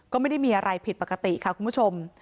ก็ไม่ได้มีอะไรผิดปกติค่ะคุณผู้ชม